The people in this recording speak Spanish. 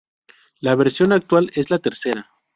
La versión actual es la tercera.